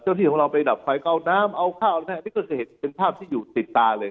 เจ้าที่ของเราไปดับไฟเกาะน้ำเอาข้าวนะครับนี่ก็คือเห็นเป็นภาพที่อยู่ติดตาเลย